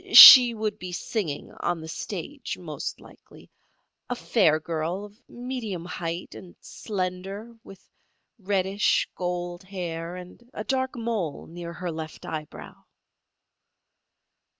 She would be singing on the stage, most likely. A fair girl, of medium height and slender, with reddish, gold hair and a dark mole near her left eyebrow."